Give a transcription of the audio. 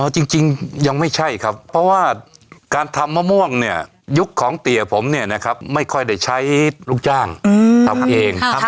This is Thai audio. จริงยังไม่ใช่ครับเพราะว่าการทำมะม่วงเนี่ยยุคของเตี๋ยผมเนี่ยนะครับไม่ค่อยได้ใช้ลูกจ้างทำเอง